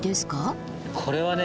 これはね